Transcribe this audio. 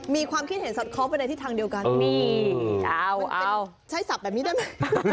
มีความคิดเห็นสอดคล้องไปในทิศทางเดียวกันนี่มันเป็นใช้ศัพท์แบบนี้ได้ไหม